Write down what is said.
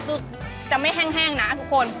ก็จะไม่แห้งนะครับทุกคน